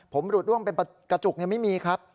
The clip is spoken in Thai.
ผมหลุดร่วงเป็นกระจุกไม่มีครับ